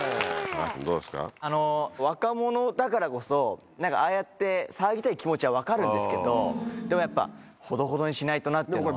若者だからこそ何かああやって騒ぎたい気持ちは分かるんですけどでもやっぱほどほどにしないとなって。